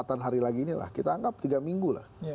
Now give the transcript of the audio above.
dua puluh empat an hari lagi ini kita anggap tiga minggu